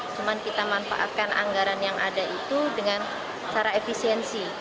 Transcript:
cuma kita manfaatkan anggaran yang ada itu dengan cara efisiensi